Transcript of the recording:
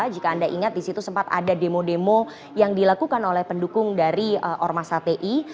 jika anda ingat di situ sempat ada demo demo yang dilakukan oleh pendukung dari ormas hti